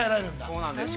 ◆そうなんです。